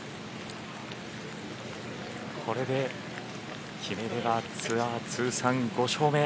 これで決めればツアー通算５勝目。